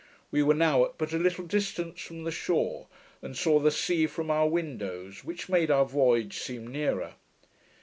We were now at but a little distance from the shore, and saw the sea from our windows, which made our voyage seem nearer.